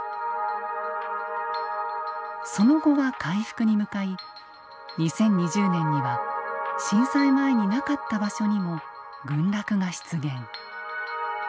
その後は回復に向かい２０２０年には震災前になかった場所にも群落が出現。